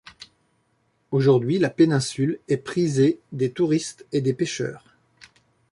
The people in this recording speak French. Aujourd'hui la péninsule est prisée des touristes et des pêcheurs.